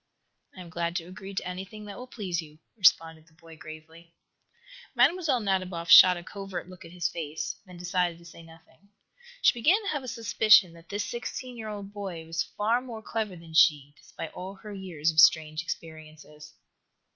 "I am glad to agree to anything that will please you," responded the boy, gravely. Mlle. Nadiboff shot a covert look at his face, then decided to say nothing. She began to have a suspicion that this sixteen year old boy was far more clever than she, despite all her years of strange experiences.